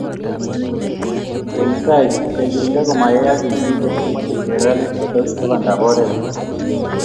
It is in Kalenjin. Eng tai, kekirinda komayayak nyasutiet, komache serikalit kotes tabandab oret si